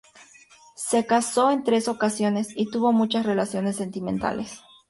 Se casó en tres ocasiones, y tuvo muchas relaciones sentimentales.